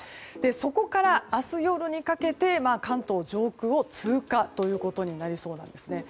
そこから明日夜にかけて関東上空を通過ということになりそうです。